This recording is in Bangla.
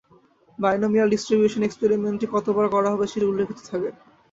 বাইনমিয়াল ডিস্ট্রিবিউশন এ এক্সপেরিমেন্টটি কত বার করা হবে সেটি উল্লেখিত থাকে।